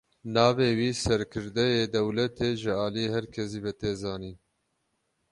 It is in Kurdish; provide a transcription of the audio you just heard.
Navê vî serkirdeyê dewletê ji aliyê her kesî ve tê zanîn.